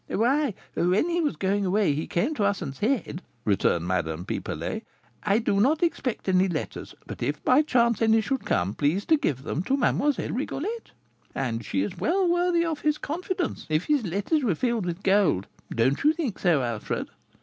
"Why, when he was going away, he came to us and said," returned Madame Pipelet, "'I do not expect any letters; but if, by chance, any should come, please to give them to Mlle. Rigolette.' And she is well worthy of his confidence, if his letters were filled with gold; don't you think so, Alfred?"